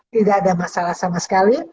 tidak ada masalah sama sekali